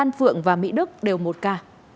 an phượng và mỹ đức đều một ca